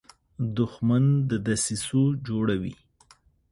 دښمن د دسیسو جوړه وي